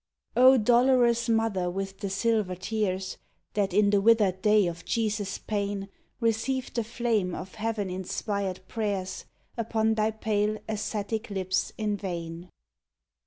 OH, Dolorous Mother with the silver tears, That in the withered day of Jesus' pain Received the flame of heaven inspired prayers Upon thy pale, ascetic lips in vain